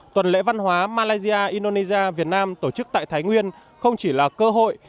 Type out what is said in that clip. tuần lễ văn hóa malaysia indonesia việt nam tổ chức tại thái nguyên không chỉ là cơ hội